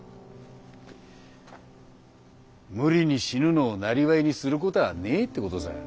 無理に死ぬのを生業にするこたぁねえってことさ。